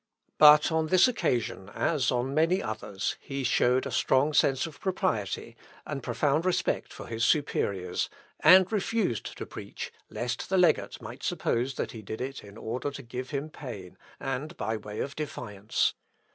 But on this occasion, as on many others, he showed a strong sense of propriety, and profound respect for his superiors, and refused to preach, lest the legate might suppose that he did it in order to give him pain, and by way of defiance.